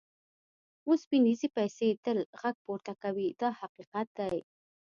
اوسپنیزې پیسې تل غږ پورته کوي دا حقیقت دی.